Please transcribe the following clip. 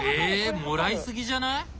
え！もらいすぎじゃない！？